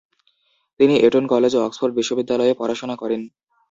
তিনি Eton college ও Oxford বিশ্ববিদ্যালয়ে পড়াশুনা করেন।